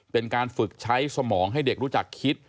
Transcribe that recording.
เป็นการฝึกใช้สมองให้เด็กรู้จักคิด